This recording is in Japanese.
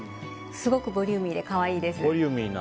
すごくボリューミーで可愛いです。